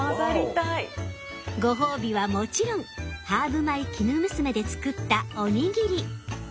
ご褒美はもちろんハーブ米きぬむすめで作ったおにぎり！